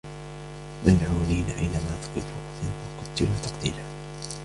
مَلْعُونِينَ أَيْنَمَا ثُقِفُوا أُخِذُوا وَقُتِّلُوا تَقْتِيلًا